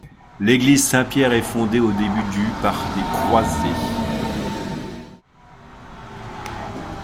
L'église Saint-Pierre est fondée au début du par des croisés.